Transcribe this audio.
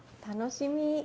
楽しみ。